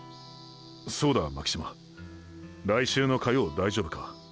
そうだ巻島来週の火曜大丈夫か？